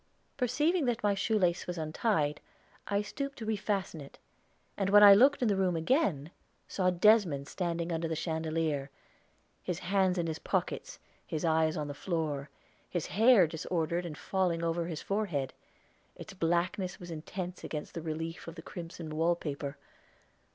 Perceiving that my shoelace was untied, I stooped to refasten it, and when I looked in the room again saw Desmond standing under the chandelier, his hands in his pockets, his eyes on the floor, his hair disordered and falling over his forehead; its blackness was intense against the relief of the crimson wall paper.